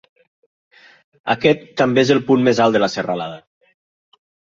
Aquest també és el punt més alt de la serralada.